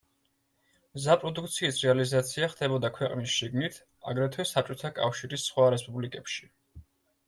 მზა პროდუქციის რეალიზაცია ხდებოდა ქვეყნის შიგნით, აგრეთვე საბჭოთა კავშირის სხვა რესპუბლიკებში.